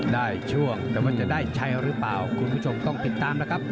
ช่วงแต่ว่าจะได้ชัยหรือเปล่าคุณผู้ชมต้องติดตามนะครับ